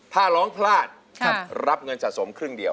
ถ้าร้องพลาดรับเงินสะสมครึ่งเดียว